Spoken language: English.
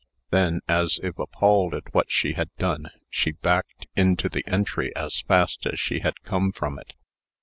Then, as if appalled at what she had done, she backed into the entry as fast as she had come from it.